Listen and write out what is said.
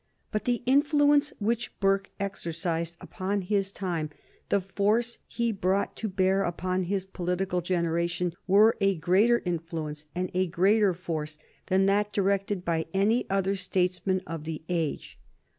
But the influence which Burke exercised upon his time, the force he brought to bear upon his political generation, were a greater influence and a stronger force than that directed by any other statesman of the age.